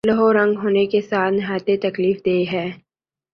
لہو رنگ ہونے کے ساتھ نہایت تکلیف دہ ہے